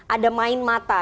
ada main mata